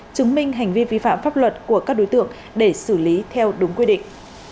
chứng minh hành vi vi phạm pháp luật của các đối tượng để xử lý theo đúng quy định